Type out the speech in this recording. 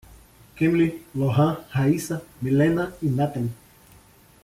Kamilly, Lorran, Raysa, Millena e Nathaly